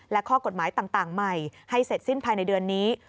และข้อกฎหมายต่างใหม่ให้เสร็จสิ้นภายในเดือนนี้